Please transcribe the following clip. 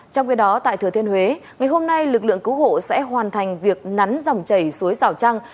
trong khi đó tại thừa thiên huế ngày hôm nay lực lượng cứu hộ sẽ hoàn thành việc nắn dòng chảy suối rào trăng